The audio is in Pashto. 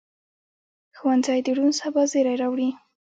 ښوونځی د روڼ سبا زېری راوړي